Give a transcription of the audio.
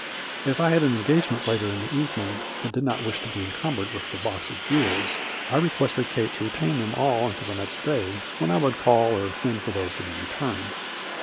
As I had an engagement later in the evening and did not wish to be encumbered with the box of jewels, I requested Kate to retain them all until the next day, when I would call or send for those to be returned.